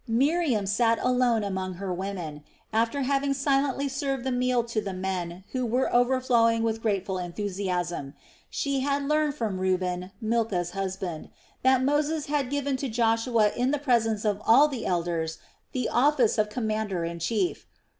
Miriam sat alone among her women, after having silently served the meal to the men who were overflowing with grateful enthusiasm; she had learned from Reuben, Milcah's husband, that Moses had given to Joshua in the presence of all the elders, the office of commander in chief.